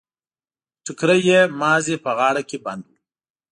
ټکری يې مازې په غاړه کې بند و.